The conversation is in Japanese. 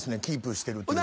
キープしてる。